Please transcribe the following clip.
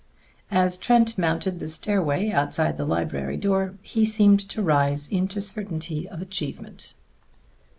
As Trent mounted the stairway outside the library door he seemed to rise into certainty of achievement.